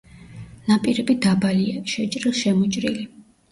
ნაპირები დაბალია, შეჭრილ-შემოჭრილი.